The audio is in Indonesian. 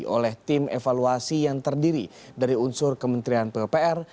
oleh tim evaluasi yang terdiri dari unsur kementerian pupr